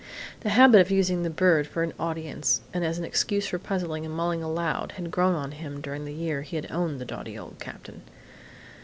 The habit of using the bird for an audience and as an excuse for puzzling and mulling aloud had grown on him during the year he had owned the doughty old Cap'n.